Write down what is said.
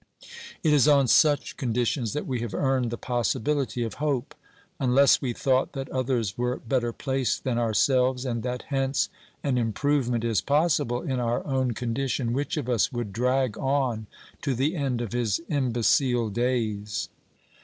It is on such con ditions that we have earned the possibility of hope. Unless we thought that others were better placed than ourselves, and that hence an improvement is possible in our own condition, which of us would drag on to the end of his imbecile days